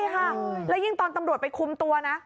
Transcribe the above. ใช่ค่ะแล้วยิ่งตอนตำรวจไปคุมตัวนะ